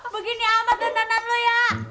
begini amat tantangan lo ya